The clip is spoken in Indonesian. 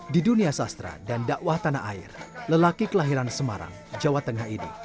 di dunia sastra dan dakwah tanah air lelaki kelahiran semarang jawa tengah ini